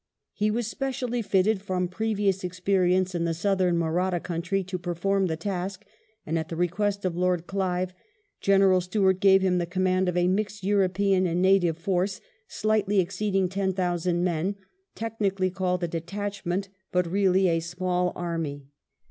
He was specially fitted, from previous experience in the southern Mahratta country, to perform the task, and at the request of Lord Clive, General Stuart gave him the command of a mixed European and native force slightly exceeding ten thousand men, technically called a detachment, but really a small army.